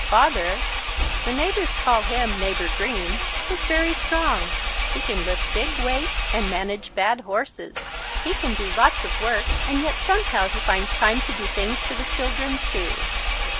Father the neighbours call him Neighbour Green is very strong. He can lift big weights and manage bad horses. He can do lots of work and yet somehow he finds time to do things for the children too.